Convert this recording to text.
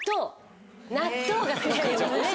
納豆がすごくいいんですね。